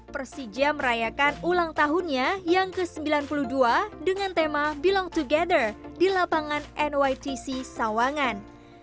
persija merayakan ulang tahunnya yang ke sembilan puluh dua dengan tema belong together di lapangan nytc sawangan